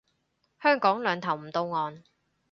香港兩頭唔到岸